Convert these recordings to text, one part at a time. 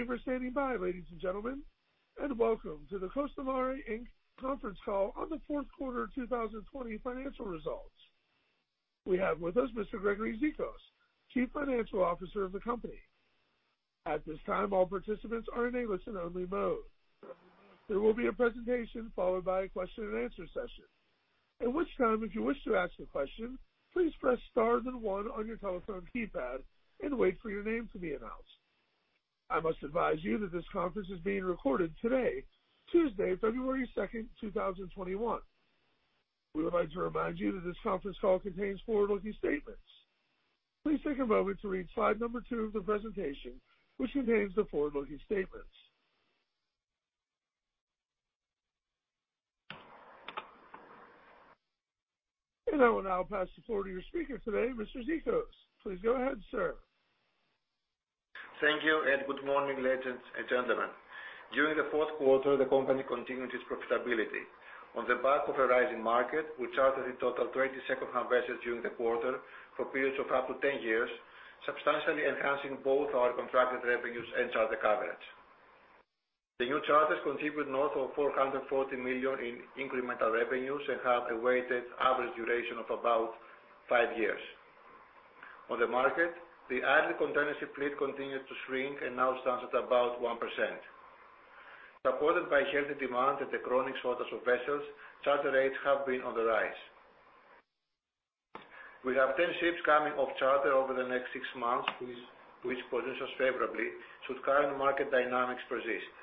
Thank you for standing by, ladies and gentlemen, and welcome to the Costamare Inc conference call on the fourth quarter 2020 financial results. We have with us Mr. Gregory Zikos, Chief Financial Officer of the company. At this time, all participants are in a listen-only mode. There will be a presentation followed by a question and answer session. At which time, if you wish to ask a question, please press star then one on your telephone keypad and wait for your name to be announced. I must advise you that this conference is being recorded today, Tuesday, February 2nd, 2021. We would like to remind you that this conference call contains forward-looking statements. Please take a moment to read slide number two of the presentation, which contains the forward-looking statements. I will now pass the floor to your speaker today, Mr. Zikos. Please go ahead, sir. Thank you, and good morning, ladies and gentlemen. During the fourth quarter, the company continued its profitability. On the back of a rising market, we chartered in total 20 second-hand vessels during the quarter for periods of up to 10 years, substantially enhancing both our contracted revenues and charter coverage. The new charters contribute north of $440 million in incremental revenues and have a weighted average duration of about five years. On the market, the idle container fleet continued to shrink and now stands at about 1%. Supported by healthy demand and the chronic shortage of vessels, charter rates have been on the rise. We have 10 ships coming off charter over the next six months, which positions us favorably should current market dynamics persist.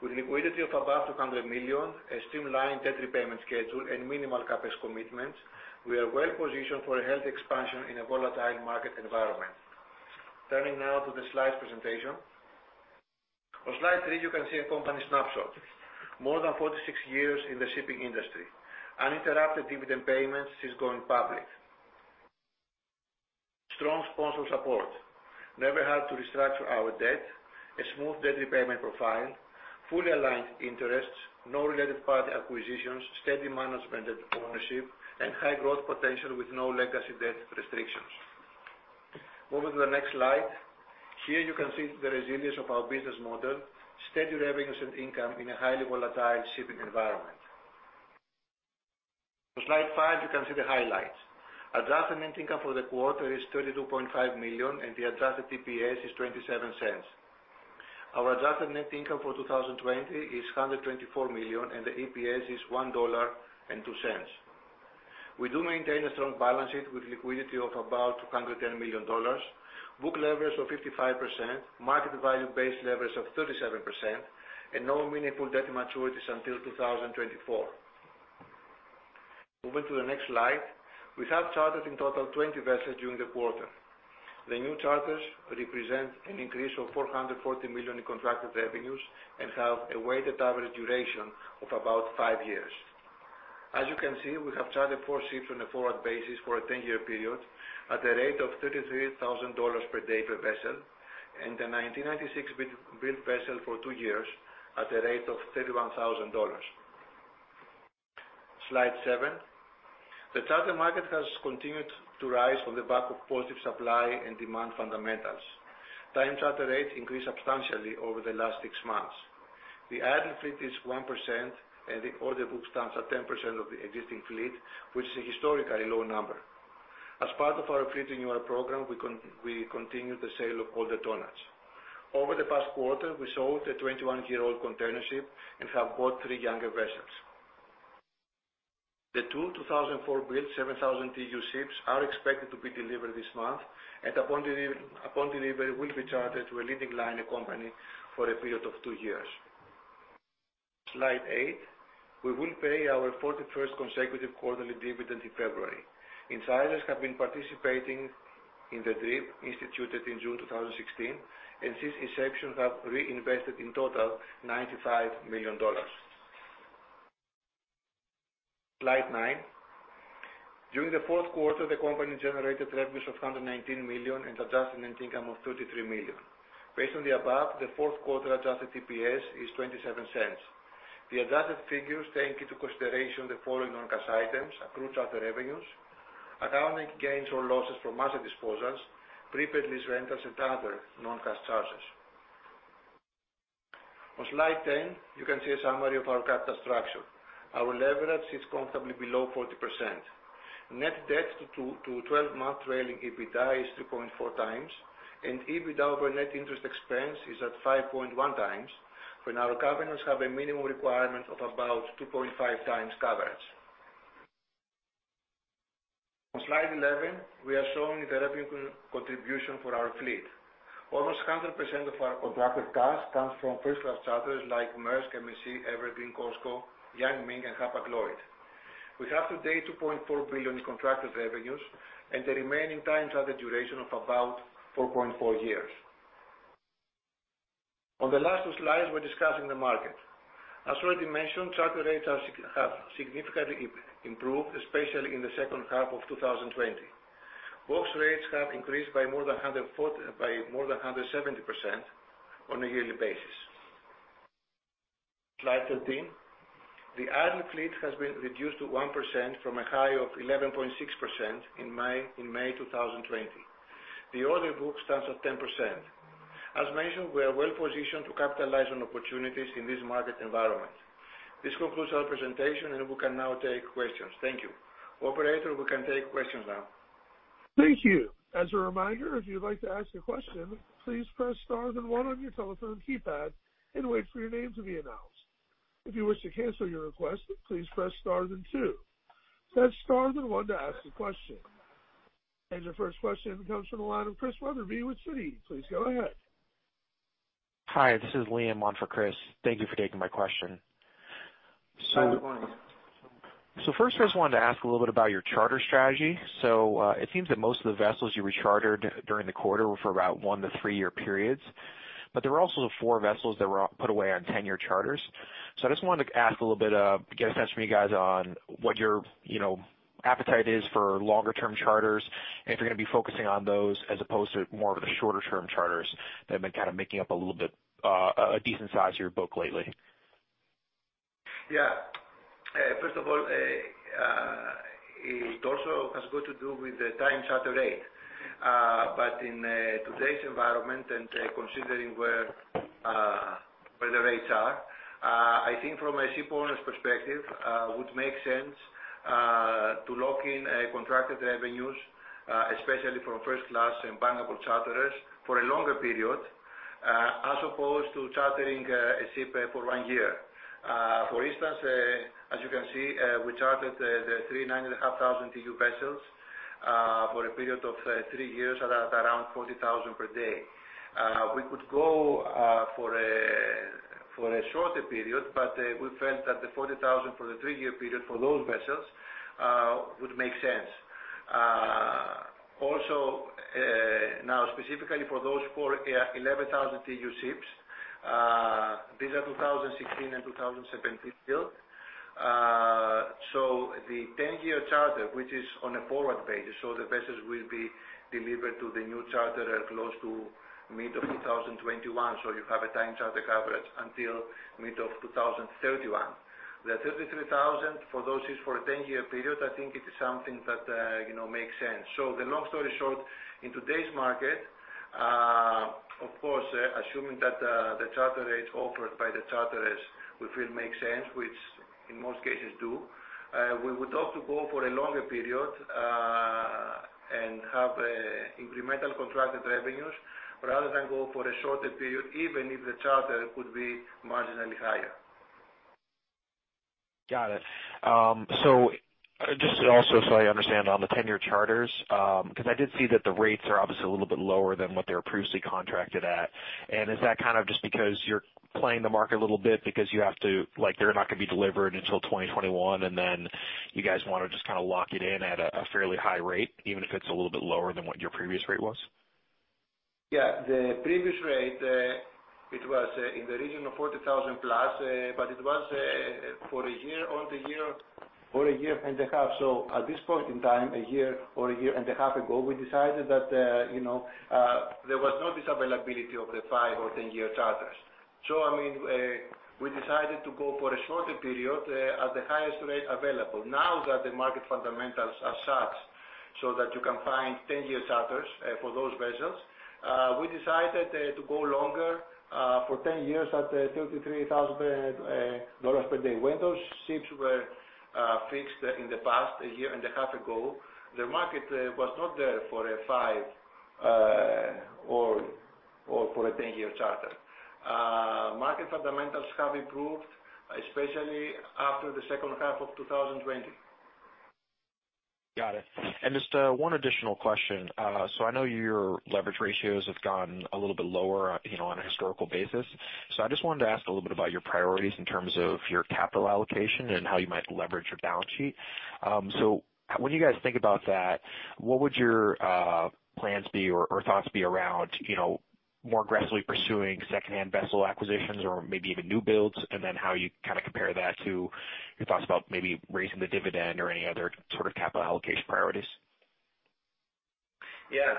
With liquidity of above $200 million, a streamlined debt repayment schedule, and minimal CapEx commitments, we are well-positioned for a healthy expansion in a volatile market environment. Turning now to the slides presentation. On slide three, you can see a company snapshot. More than 46 years in the shipping industry. Uninterrupted dividend payments since going public. Strong sponsor support. Never had to restructure our debt, a smooth debt repayment profile, fully aligned interests, no related party acquisitions, steady management and ownership, and high growth potential with no legacy debt restrictions. Moving to the next slide. Here you can see the resilience of our business model, steady revenues and income in a highly volatile shipping environment. On slide five, you can see the highlights. Adjusted net income for the quarter is $32.5 million, and the adjusted EPS is $0.27. Our adjusted net income for 2020 is $124 million, and the EPS is $1.02. We do maintain a strong balance sheet with liquidity of about $210 million. Book leverage of 55%, market value-based leverage of 37%, and no meaningful debt maturities until 2024. Moving to the next slide. We have chartered in total 20 vessels during the quarter. The new charters represent an increase of $440 million in contracted revenues and have a weighted average duration of about five years. As you can see, we have chartered four ships on a forward basis for a 10-year period at the rate of $33,000 per day per vessel and a 1996 build vessel for two years at the rate of $31,000. Slide seven. The charter market has continued to rise on the back of positive supply and demand fundamentals. Time charter rates increased substantially over the last six months. The idle fleet is 1%, and the order book stands at 10% of the existing fleet, which is a historically low number. As part of our fleet renewal program, we continued the sale of older tonnages. Over the past quarter, we sold a 21-year-old container ship and have bought three younger vessels. The two 2004 build 7,000 TEU ships are expected to be delivered this month, and upon delivery, will be chartered to a leading liner company for a period of two years. Slide eight. We will pay our 41st consecutive quarterly dividend in February. Insiders have been participating in the DRIP instituted in June 2016 and since inception have reinvested in total $95 million. Slide nine. During the fourth quarter, the company generated revenues of $119 million and adjusted net income of $33 million. Based on the above, the fourth quarter adjusted EPS is $0.27. The adjusted figures take into consideration the following non-cash items: accrued charter revenues, accounting gains or losses from asset disposals, prepaid lease rentals, and other non-cash charges. On slide 10, you can see a summary of our capital structure. Our leverage sits comfortably below 40%. Net debt 2-12-month trailing EBITDA is 2.4x, and EBITDA over net interest expense is at 5.1x, when our covenants have a minimum requirement of about 2.5x coverage. On slide 11, we are showing the revenue contribution for our fleet. Almost 100% of our contracted tons comes from first-class charters like Maersk, MSC, Evergreen, COSCO, Yang Ming, and Hapag-Lloyd. We have today $2.4 billion in contracted revenues, and the remaining time charter duration of about 4.4 years. On the last two slides, we're discussing the market. As already mentioned, charter rates have significantly improved, especially in the second half of 2020. Box rates have increased by more than 170% on a yearly basis. Slide 13. The idle fleet has been reduced to 1% from a high of 11.6% in May 2020. The order book stands at 10%. As mentioned, we are well-positioned to capitalize on opportunities in this market environment. This concludes our presentation, and we can now take questions. Thank you. Operator, we can take questions now. Thank you. As a reminder, if you'd like to ask a question, please press star and one on your telephone keypad, and wait for your name to be announced. If you wish to cancel your request, please press star then two. That star then one to ask question. Your first question comes from the line of Chris Wetherbee with Citi. Please go ahead. Hi, this is Liam on for Chris. Thank you for taking my question. Hi, Liam. First, I just wanted to ask a little bit about your charter strategy. It seems that most of the vessels you rechartered during the quarter were for about one to three-year periods, but there were also four vessels that were put away on 10-year charters. I just wanted to ask a little bit, get a sense from you guys on what your appetite is for longer term charters and if you're going to be focusing on those as opposed to more of the shorter term charters that have been kind of making up a little bit, a decent size of your book lately? First of all, it also has got to do with the time charter rate. In today's environment and considering where the rates are, I think from a shipowner's perspective, it would make sense to lock in contracted revenues, especially from first-class and bankable charterers for a longer period, as opposed to chartering a ship for one year. For instance, as you can see, we chartered the three 9,500 TEU vessels for a period of three years at around $40,000 per day. We could go for a shorter period, but we felt that the $40,000 for the three-year period for those vessels would make sense. Now, specifically for those four 11,000 TEU ships, these are 2016 and 2017 build. The 10-year charter, which is on a forward basis, so the vessels will be delivered to the new charterer close to mid of 2021. You have a time charter coverage until mid-2031. The $33,000 for those ships for a 10-year period, I think it is something that makes sense. The long story short, in today's market, of course, assuming that the charter rates offered by the charterers we feel make sense, which in most cases do, we would love to go for a longer period and have incremental contracted revenues rather than go for a shorter period, even if the charter could be marginally higher. Got it. Just also so I understand on the 10-year charters, because I did see that the rates are obviously a little bit lower than what they were previously contracted at. Is that kind of just because you're playing the market a little bit because you have to, like they're not going to be delivered until 2021, and then you guys want to just kind of lock it in at a fairly high rate, even if it's a little bit lower than what your previous rate was? Yeah, the previous rate, it was in the region of $40,000+, but it was for a year, or a year and a half. At this point in time, a year or a year and a half ago, we decided that there was no visibility of the five or 10-year charters. I mean, we decided to go for a shorter period at the highest rate available. Now that the market fundamentals are such so that you can find 10-year charters for those vessels, we decided to go longer for 10 years at $33,000 per day. When those ships were fixed in the past, a year and a half ago, the market was not there for a five or for a 10-year charter. Market fundamentals have improved, especially after the second half of 2020. Got it. Just one additional question. I know your leverage ratios have gotten a little bit lower on a historical basis. I just wanted to ask a little bit about your priorities in terms of your capital allocation and how you might leverage your balance sheet. When you guys think about that, what would your plans be or thoughts be around more aggressively pursuing secondhand vessel acquisitions or maybe even new builds? And then how you compare that to your thoughts about maybe raising the dividend or any other sort of capital allocation priorities? Yeah.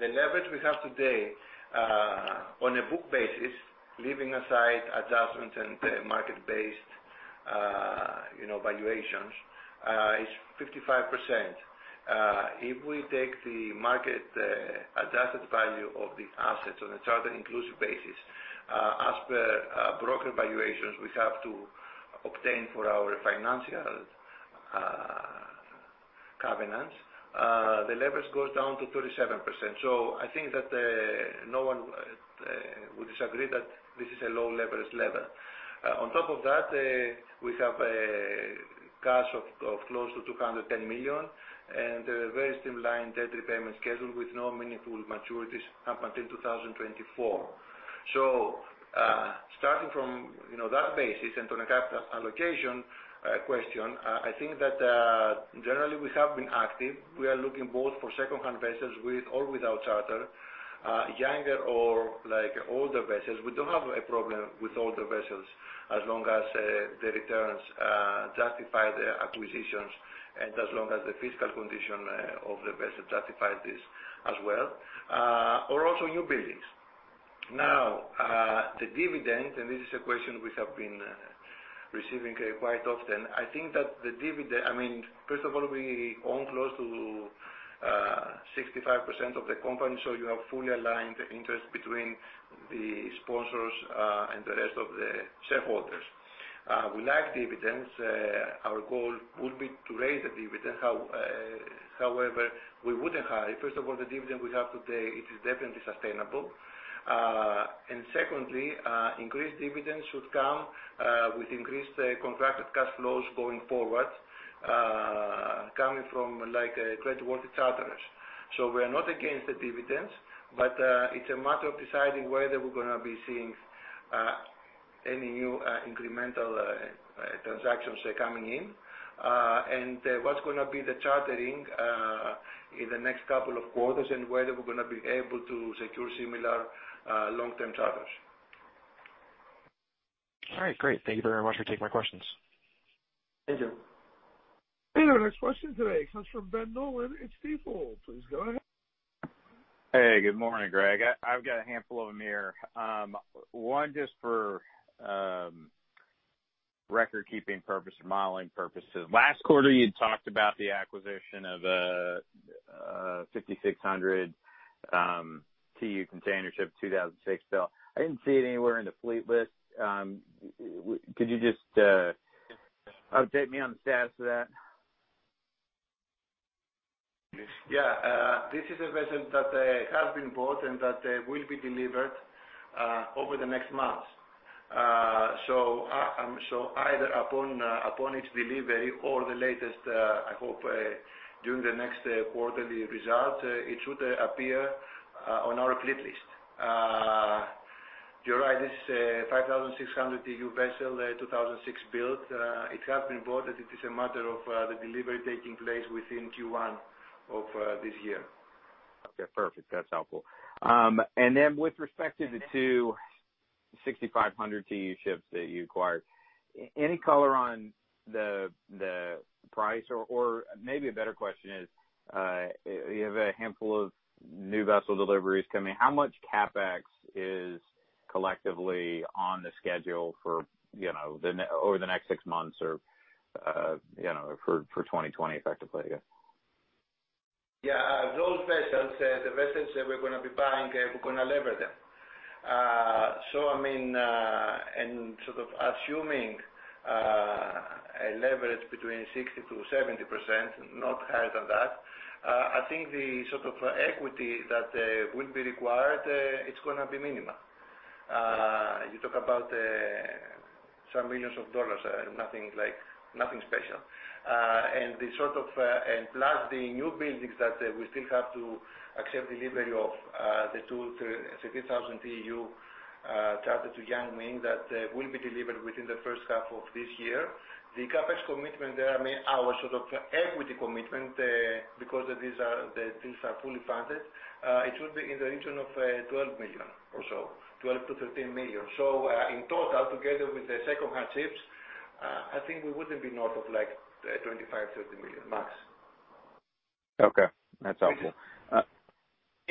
The leverage we have today on a book basis, leaving aside adjustments and market-based, you know, valuations is 55%. If we take the market adjusted value of the assets on a charter inclusive basis, as per broker valuations we have to obtain for our financial covenants, the leverage goes down to 37%. I think that no one would disagree that this is a low leverage level. On top of that, we have a cash of close to $210 million and a very streamlined debt repayment schedule with no meaningful maturities up until 2024. Starting from, you know, that basis and on a capital allocation question, I think that generally we have been active. We are looking both for secondhand vessels with or without charter, younger or like older vessels. We don't have a problem with older vessels as long as the returns justify the acquisitions and as long as the physical condition of the vessel justifies this as well, or also new buildings. Now, the dividend, this is a question we have been receiving quite often. First of all, we own close to 65% of the company, so you have fully aligned interest between the sponsors and the rest of the shareholders. We like dividends. Our goal would be to raise the dividend. However, we wouldn't hike, but first of all, the dividend we have today, it is definitely sustainable. Secondly, increased dividends should come with increased contracted cash flows going forward, coming from, like, great working charters. We are not against the dividends, it's a matter of deciding whether we're going to be seeing any new incremental transactions coming in. What's going to be the chartering in the next couple of quarters and whether we're going to be able to secure similar long-term charters. All right, great. Thank you very much for taking my questions. Thank you. Our next question today comes from Ben Nolan at Stifel. Please go ahead. Hey, good morning, Greg. I've got a handful of them here. One just for record keeping purpose or modeling purposes. Last quarter, you talked about the acquisition of a 5,600 TEU container ship, 2006 build. I didn't see it anywhere in the fleet list. Could you just update me on the status of that? Yeah. This is a vessel that has been bought and that will be delivered over the next months. Either upon its delivery or the latest, I hope, during the next quarterly result, it should appear on our fleet list. You're right, it's a 5,600 TEU vessel, 2006 build. It has been bought, it is a matter of the delivery taking place within Q1 of this year. Okay, perfect. That's helpful. With respect to the two 6,500 TEU ships that you acquired, any color on the price? Maybe a better question is, you have a handful of new vessel deliveries coming. How much CapEx is collectively on the schedule over, you know, the next six months or, you know, for 2020 effectively? Yeah. Those vessels, the vessels that we're going to be buying, we're going to lever them. Assuming a leverage between 60%-70%, not higher than that, I think the sort of equity that would be required, it's going to be minimal. You talk about some millions of dollars, nothing special. Plus, the new buildings that we still have to accept delivery of the two 3,000 TEU chartered to Yang Ming that will be delivered within the first half of this year. The CapEx commitment there, our sort of equity commitment, because these are fully funded, it will be in the region of $12 million or so, $12 million-$13 million. So in total, together with the secondhand ships, I think we wouldn't be north of $25 million-$30 million max. Okay. That's helpful.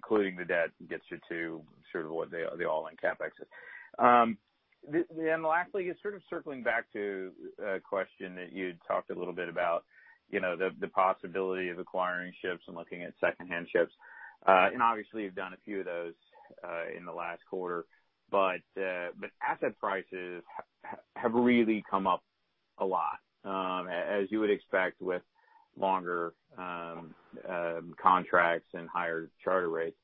Including the debt gets you to sort of what the all-in CapEx is. Lastly, sort of circling back to a question that you'd talked a little bit about, you know, the possibility of acquiring ships and looking at secondhand ships. Obviously you've done a few of those in the last quarter. But, asset prices have really come up a lot, as you would expect with longer contracts and higher charter rates.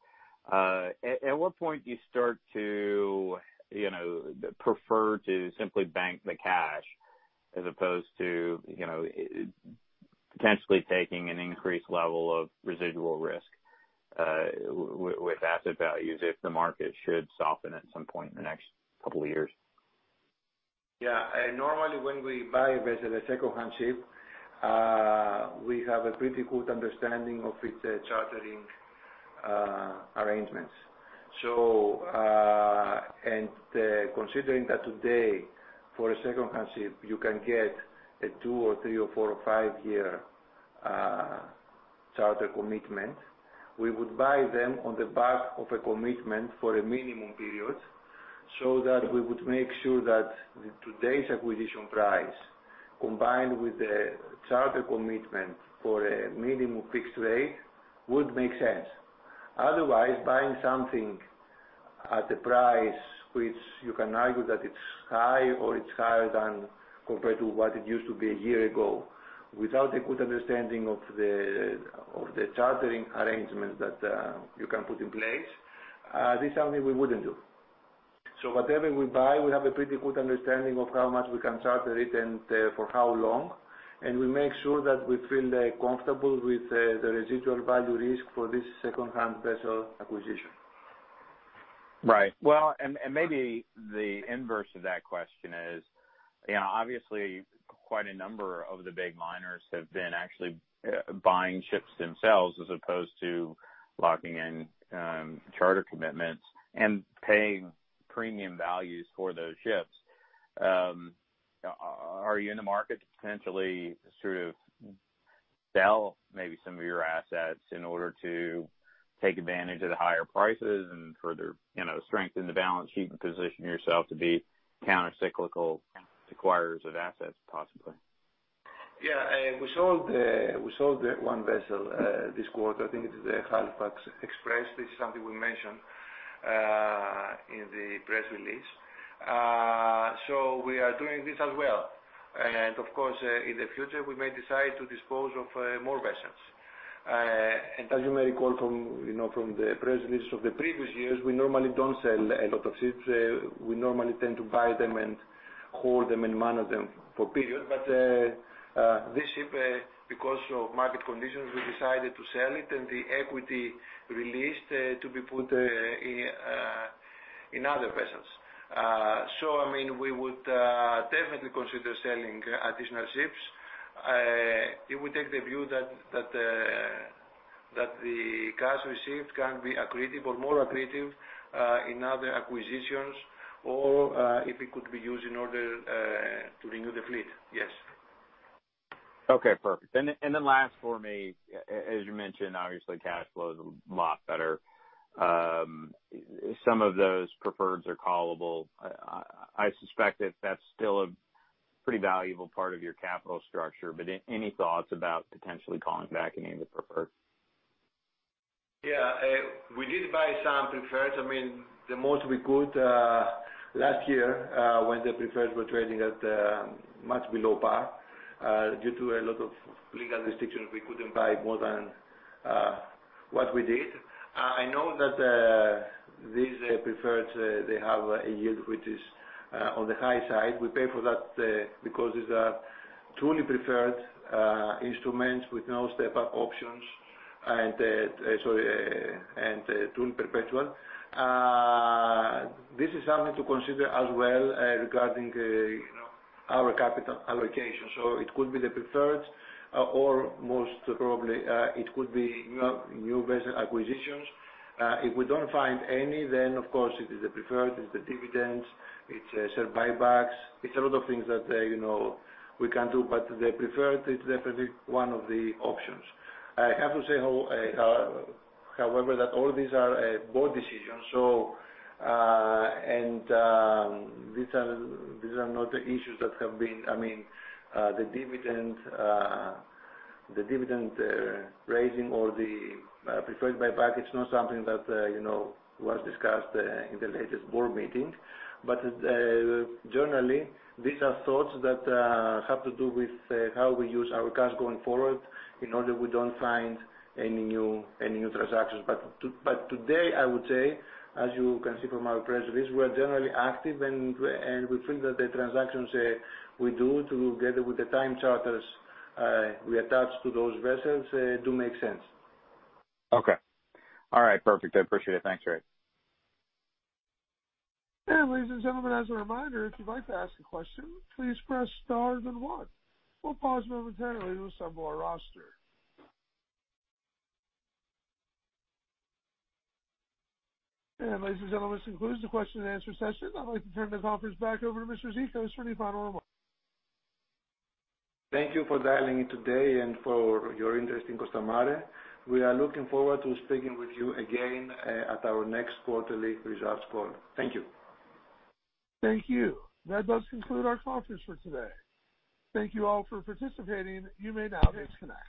At what point do you start to you know, prefer to simply bank the cash as opposed to, you know, potentially taking an increased level of residual risk with asset values if the market should soften at some point in the next couple of years? Yeah. Normally when we buy a vessel, a secondhand ship, we have a pretty good understanding of its chartering arrangements. Considering that today, for a secondhand ship, you can get a two or three or four or five-year charter commitment, we would buy them on the back of a commitment for a minimum period so that we would make sure that today's acquisition price, combined with the charter commitment for a minimum fixed rate, would make sense. Otherwise, buying something at a price which you can argue that it's high or it's higher than compared to what it used to be a year ago, without a good understanding of the chartering arrangements that you can put in place, this is something we wouldn't do. Whatever we buy, we have a pretty good understanding of how much we can charter it and for how long, and we make sure that we feel comfortable with the residual value risk for this secondhand vessel acquisition. Right. Well, maybe the inverse of that question is, you know, obviously quite a number of the big liners have been actually buying ships themselves as opposed to locking in charter commitments and paying premium values for those ships. Are you in the market to potentially sort of sell maybe some of your assets in order to take advantage of the higher prices and further, you know, strengthen the balance sheet and position yourself to be countercyclical to acquirers of assets, possibly? Yeah. We sold one vessel this quarter. I think it is the Halifax Express. This is something we mentioned in the press release. We are doing this as well. Of course, in the future, we may decide to dispose of more vessels. As you may recall from, you know, the press release of the previous years, we normally don't sell a lot of ships. We normally tend to buy them and hold them and manage them for a period. This ship, because of market conditions, we decided to sell it, and the equity released to be put in other vessels. I mean, we would definitely consider selling additional ships if we take the view that the cash received can be accretive or more accretive in other acquisitions or if it could be used in order to renew the fleet. Yes. Okay, perfect. Last for me, as you mentioned, obviously cash flow is a lot better. Some of those Preferred are callable. I suspect that that's still a pretty valuable part of your capital structure, but any thoughts about potentially calling back any of the Preferred? We did buy some Preferred, the most we could last year, when the Preferred were trading at much below par. Due to a lot of legal restrictions, we couldn't buy more than what we did. I know that these Preferred, they have a yield which is on the high side. We pay for that because these are truly preferred instruments with no step-up options and truly Perpetual. This is something to consider as well regarding our capital allocation. It could be the Preferred or most probably it could be new vessel acquisitions. If we don't find any, of course it is the preferred, it's the dividends, it's share buybacks. It's a lot of things that we can do, but the preferred is definitely one of the options. I have to say, however, that all these are board decisions. These are not issues that have been the dividend raising or the preferred buyback. It's not something that, you know, was discussed in the latest board meeting. Generally, these are thoughts that have to do with how we use our cash going forward in order we don't find any new transactions. Today, I would say, as you can see from our press release, we are generally active, and we think that the transactions we do together with the time charters we attach to those vessels do make sense. Okay. All right. Perfect. I appreciate it. Thanks, Greg. Ladies and gentlemen, as a reminder, if you'd like to ask a question, please press star then one. We'll pause momentarily to assemble our roster. Ladies and gentlemen, this concludes the question and answer session. I'd like to turn this conference back over to Mr. Zikos for any final remarks. Thank you for dialing in today and for your interest in Costamare. We are looking forward to speaking with you again at our next quarterly results call. Thank you. Thank you. That does conclude our conference for today. Thank you all for participating. You may now disconnect.